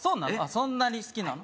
そんなに好きなの？